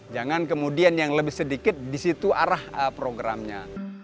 jangan kemudian yang lebih sedikit di situ arah programnya